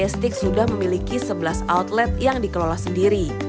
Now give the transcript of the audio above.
sudah memiliki sebelas outlet yang dikelola sendiri